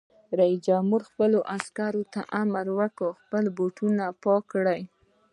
رئیس جمهور خپلو عسکرو ته امر وکړ؛ خپل بوټونه پاک کړئ!